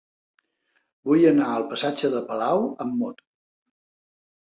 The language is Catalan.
Vull anar al passatge de Palau amb moto.